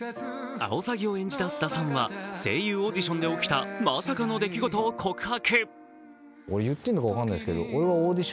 青サギを演じた菅田さんは声優オーディションで起きたまさかの出来事を告白。